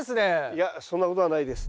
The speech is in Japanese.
いやそんなことはないです。